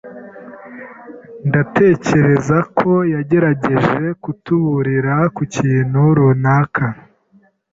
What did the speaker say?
Ndatekereza ko yagerageje kutuburira ku kintu runaka.